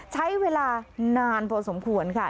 ใช้เวลานานพอสมควรค่ะ